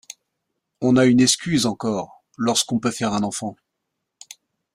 On a une excuse encore, lorsqu’on peut faire un enfant.